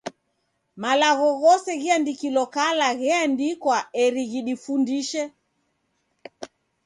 Malagho ghose ghiandikilo kala gheandikwa eri ghidifundishe.